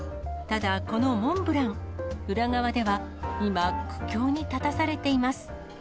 ただ、このモンブラン、裏側では今、苦境に立たされています。